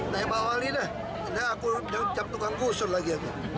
nah yang bawah ini dah aku cap tukang gusur lagi